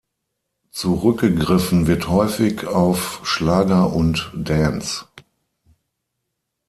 Zurückgegriffen wird häufig auf Schlager und Dance.